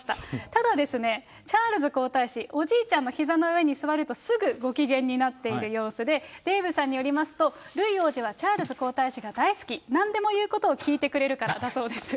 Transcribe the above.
ただですね、チャールズ皇太子、おじいちゃんのひざの上に座るとすぐご機嫌になっている様子で、デーブさんによりますと、ルイ王子はチャールズ皇太子が大好き、なんでも言うことを聞いてくれるからだそうです。